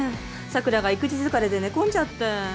桜が育児疲れで寝込んじゃって。